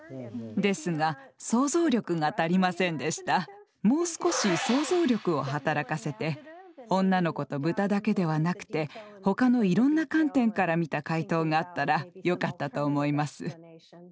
谷さんはもう少し想像力を働かせて女の子と豚だけではなくてほかのいろんな観点からみた解答があったらよかったと思います。